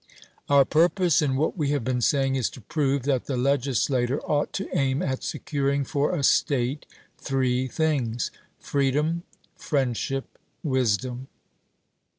Our purpose in what we have been saying is to prove that the legislator ought to aim at securing for a state three things freedom, friendship, wisdom.